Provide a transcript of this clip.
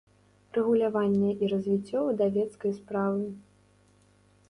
Рэгуляванне i развiццё выдавецкай справы.